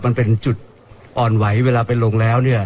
มันเป็นจุดอ่อนไหวเวลาไปลงแล้วเนี่ย